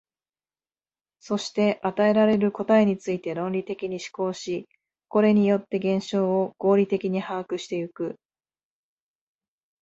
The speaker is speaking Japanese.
そして与えられる答えについて論理的に思考し、これによって現象を合理的に把握してゆく。